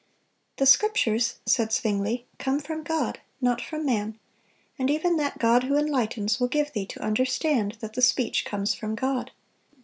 "The Scriptures," said Zwingle, "come from God, not from man, and even that God who enlightens will give thee to understand that the speech comes from God.